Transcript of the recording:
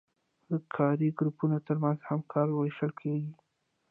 د کاري ګروپونو ترمنځ هم کار ویشل کیږي.